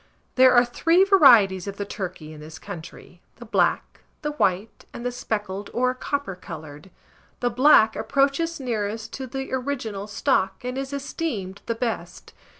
There are three varieties of the turkey in this country, the black, the white, and the speckled, or copper coloured. The black approaches nearest to the original stock, and is esteemed the best.